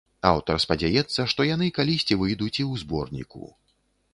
Аўтар спадзяецца, што яны калісьці выйдуць і ў зборніку.